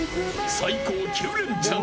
最高９レンチャン。